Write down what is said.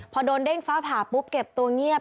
พอโดนเด้งฟ้าผ่าปุ๊บเก็บตัวเงียบ